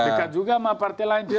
dekat juga sama partai lain